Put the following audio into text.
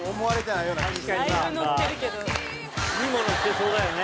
いいもの着てそうだよね。